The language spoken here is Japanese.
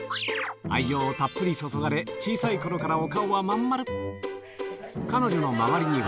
愛情をたっぷり注がれ、小さいころからお顔は真ん丸。